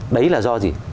đấy là do gì